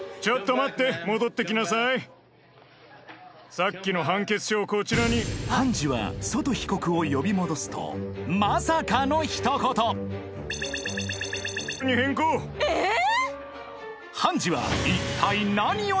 さっきの判決書をこちらに判事はソト被告を呼び戻すとえええ！？